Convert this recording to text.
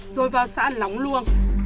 rồi vào xã lóng luông